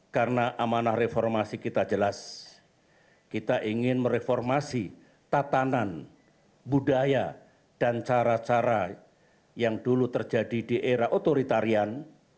karena amanah reformasi kita jelas kita ingin mereformasi tatanan budaya dan cara cara yang dulu terjadi di era otoritarian